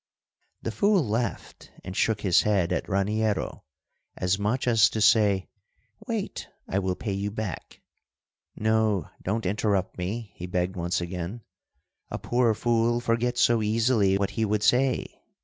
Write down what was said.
The fool laughed and shook his head at Raniero, as much as to say, "Wait! I will pay you back." "No, don't interrupt me!" he begged once again. "A poor fool forgets so easily what he would say.